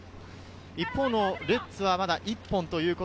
一方、レッズはまだ１本。